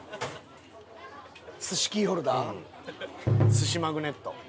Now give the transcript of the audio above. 寿司マグネット。